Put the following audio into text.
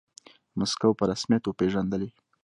موسکو په رسميت وپیژندلې.